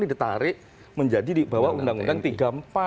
didetarik menjadi di bawah undang undang